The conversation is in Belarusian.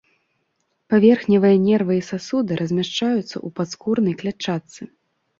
Паверхневыя нервы і сасуды размяшчаюцца ў падскурнай клятчатцы.